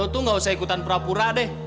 lo tuh gak usah ikutan prapura deh